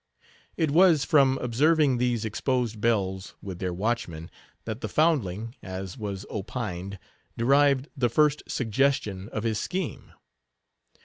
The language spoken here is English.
It was from observing these exposed bells, with their watchmen, that the foundling, as was opined, derived the first suggestion of his scheme.